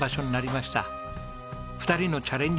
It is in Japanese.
２人のチャレンジ